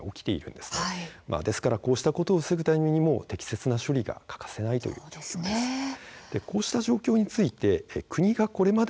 ですからこうしたことを防ぐためにも、適切な処理が欠かせないということが言えます。